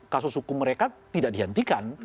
kasus hukum mereka tidak dihentikan